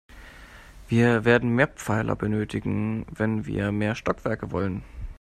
Wir werden mehr Pfeiler benötigen, wenn wir mehr Stockwerke wollen.